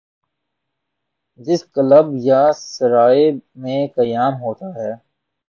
جس کلب یا سرائے میں قیام ہوتا ہے۔